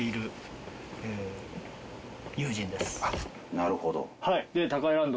なるほど。